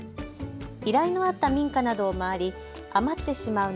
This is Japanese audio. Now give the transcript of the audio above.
依頼のあった民家などを回り余ってしまう夏